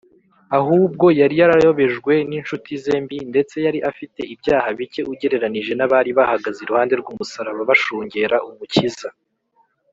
ahubwo yari yarayobejwe n’inshuti ze mbi, ndetse yari afite ibyaha bike ugereranije n’abari bahagaze iruhande rw’umusaraba bashungera umukiza